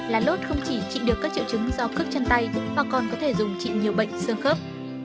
lá lốt không chỉ trị được các triệu chứng do cước chân tay mà còn có thể dùng trị nhiều bệnh sương khớp